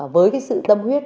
với cái sự tâm huyết